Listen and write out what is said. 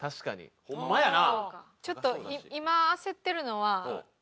ホンマやな。